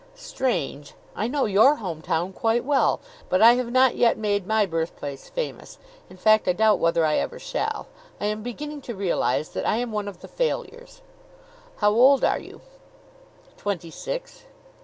"Strange. I know your home town quite well. But I have not yet made my birthplace famous; in fact, I doubt whether I ever shall. I am beginning to realize that I am one of the failures." "How old are you?" "Twenty six."